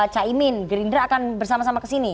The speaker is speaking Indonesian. caimin gerindra akan bersama sama kesini